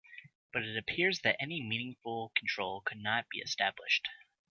But it appears that any meaningful control could not be established.